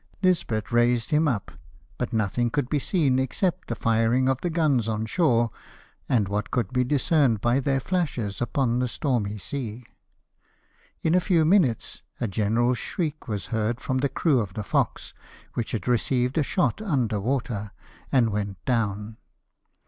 Nisbet raised him up ; but nothing could be seen except the firing of the guns on shore and what could be discerned by their flashes upon the stormy sea. In a few minutes a general shriek was heard from the crew of the Fox, Avhich had received a shot under water, and went down.